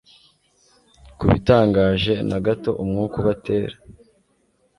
Kubitangaje na gato umwuka ubatera